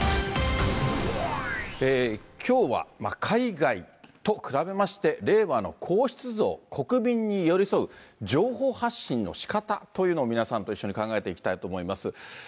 きょうは海外と比べまして、令和の皇室像、国民に寄り添う情報発信のしかたというのを皆さんと一緒に考えていきたいと思います。